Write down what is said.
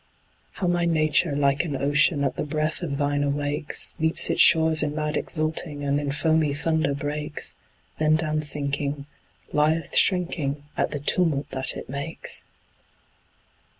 How my nature, like an ocean, At the breath of thine awakes, Leaps its shores in mad exulting And in foamy thunder breaks, Then downsinking, lieth shrinking At the tumult that it makes!